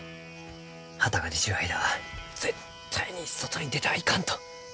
旗が出ちゅう間は絶対に外に出てはいかんと。